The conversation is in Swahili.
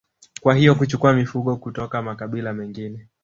Kwa hiyo kuchukua mifugo kutoka makabila mengine